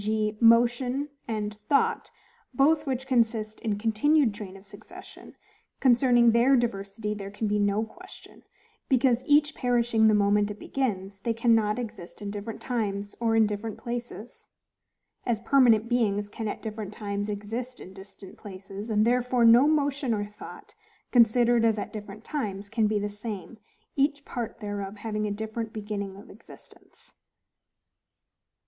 g. MOTION and THOUGHT, both which consist in a continued train of succession, concerning THEIR diversity there can be no question: because each perishing the moment it begins, they cannot exist in different times, or in different places, as permanent beings can at different times exist in distant places; and therefore no motion or thought, considered as at different times, can be the same, each part thereof having a different beginning of existence.